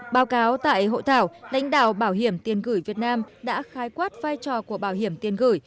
báo cáo tại hội thảo đánh đảo bảo hiểm tiền gửi việt nam đã khái quát vai trò của bảo hiểm tiền gửi